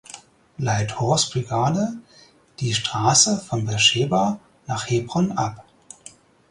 Light Horse Brigade die Straße von Beerscheba nach Hebron ab.